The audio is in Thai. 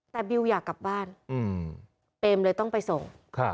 แต่บิวอยากกลับบ้านเปมเลยต้องไปส่ง